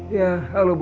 aku akan mencari kamu